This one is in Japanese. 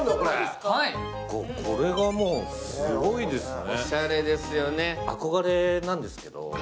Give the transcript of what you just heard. これがすごいですね。